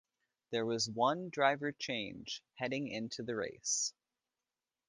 There was one driver change heading into the race.